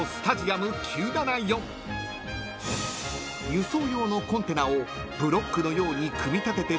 ［輸送用のコンテナをブロックのように組み立てて造られており］